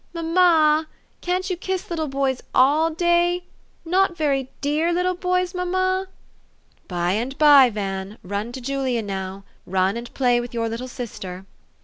" Mamma, can't you kiss little boys all day? Not very dee little boys, mamma?" " By and by, Van. Run to Julia now. Run and play with your little sister."